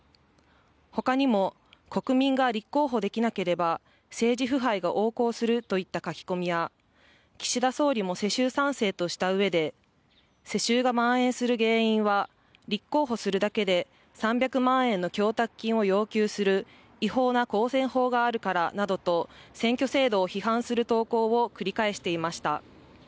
他にも、国民が立候補できなければ、政治腐敗が横行するといった書き込みや、岸田総理も世襲３世とした上で、世襲が蔓延する原因は、立候補するだけで３００万円の供託金を要求する違法な公選法があるからなどと選挙制度を批判する投稿を繰り返していました。